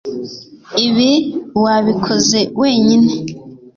Ibi wabikoze wenyine